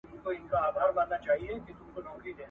زه چي مي په تور وېښته زلمی در څخه تللی یم !.